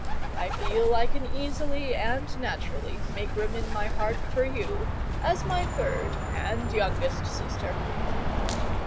I feel I can easily and naturally make room in my heart for you, as my third and youngest sister."